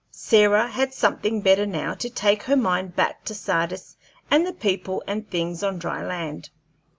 Sarah had something better now to take her mind back to Sardis and the people and things on dry land.